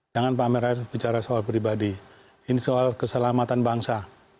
jangan pak amin rais bicara soal pribadi ini soal keselamatan bangsa